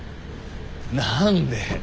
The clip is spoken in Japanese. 何で。